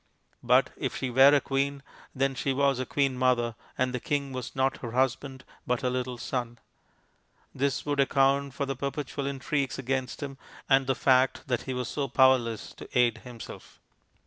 But if she were a queen, then she was a queen mother, and the king was not her husband but her little son. This would account for the perpetual intrigues against him, and the fact that he was so powerless to aid himself.